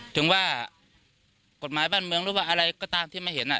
ถึงว่ากฎหมายบ้านเมืองหรือว่าอะไรก็ตามที่ไม่เห็น